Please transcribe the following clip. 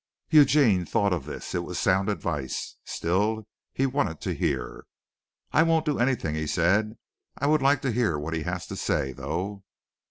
Eugene thought of this. It was sound advice. Still he wanted to hear. "I won't do anything," he said. "I would like to hear what he has to say, though."